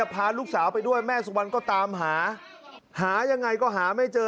พาลูกสาวไปด้วยแม่สุวรรณก็ตามหาหายังไงก็หาไม่เจอ